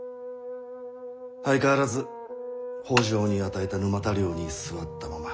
相変わらず北条に与えた沼田領に居座ったまま。